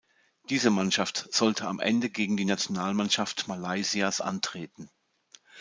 Diese Mannschaft sollte am Ende gegen die Nationalmannschaft Malaysias antreten.